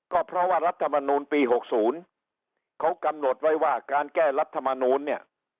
ก็เพราะว่ารัฐมนูลปี๖๐เขากำหนดไว้ว่าการแก้รัฐมนูลเนี่ย